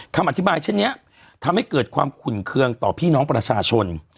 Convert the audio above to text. คำอธิบายเช่นนี้ทำให้เกิดความขุนเคืองต่อพี่น้องประชาชน